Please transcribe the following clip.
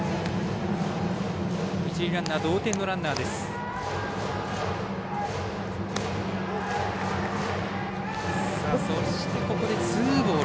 一塁ランナー、同点のランナー。